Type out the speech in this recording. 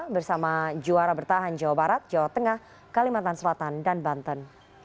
bersama juara bertahan jawa barat jawa tengah kalimantan selatan dan banten